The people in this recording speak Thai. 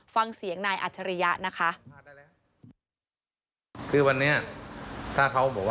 ฟังเสียงนายอัจฉริยะนะคะ